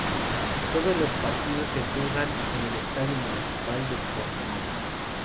Todos los partidos se juegan en el estadio municipal de Porto Novo.